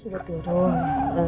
saya sudah tidur